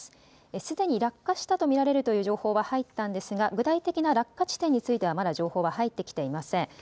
すでに落下したと見られるという情報は入ったんですが具体的な落下地点についてはまだ情報は入ってきていません。